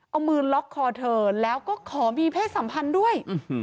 เอามือล็อกคอเธอแล้วก็ขอมีเพศสัมพันธ์ด้วย